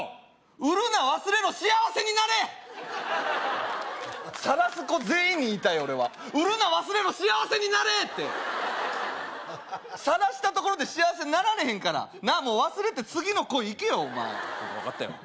売るな忘れろ幸せになれさらす子全員に言いたい俺は売るな忘れろ幸せになれってさらしたところで幸せになられへんからなもう忘れて次の恋いけよお前そうか分かったよ